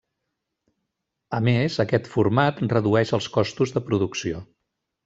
A més, aquest format redueix els costos de producció.